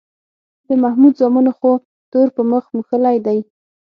د محمود زامنو خو تور په مخ موښلی دی